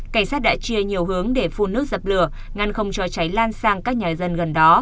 cảnh sát đã chia nhiều hướng để phun nước dập lửa ngăn không cho cháy lan sang các nhà dân gần đó